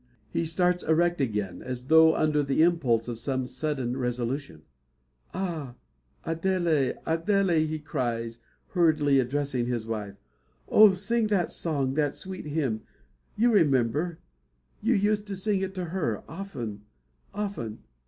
He starts erect again, as though under the impulse of some sudden resolution. "Oh, Adele! Adele!" he cries, hurriedly addressing his wife; "oh, sing that song; that sweet hymn, you remember; you used to sing it to her often, often.